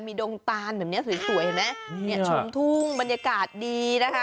ดงตานแบบนี้สวยเห็นไหมเนี่ยชมทุ่งบรรยากาศดีนะคะ